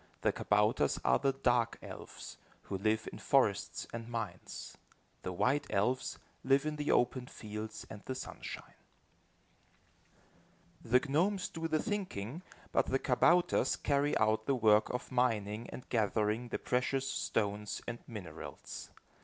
The kabouters are the dark elves, who live in forests and mines. The white elves live in the open fields and the sunshine. The gnomes do the thinking, but the kabouters carry out the work of mining and gathering the precious stones and minerals.